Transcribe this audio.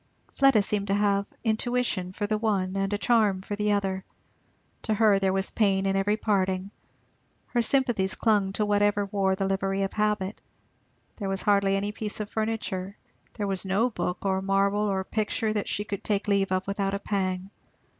Fleda seemed to have intuition for the one and a charm for the other. To her there was pain in every parting; her sympathies clung to whatever wore the livery of habit. There was hardly any piece of furniture, there was no book or marble or picture, that she could take leave of without a pang.